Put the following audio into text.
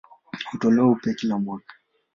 Hutolewa upya kila mwaka.